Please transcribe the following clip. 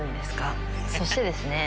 そしてですね